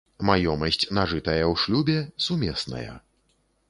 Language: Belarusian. Маёмасць, нажытая ў шлюбе, сумесная.